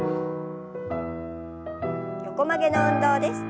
横曲げの運動です。